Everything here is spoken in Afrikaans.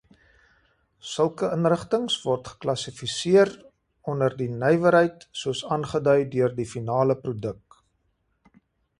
Sulke inrigtings word geklassifiseer onder die nywerheid soos aangedui deur die finale produk.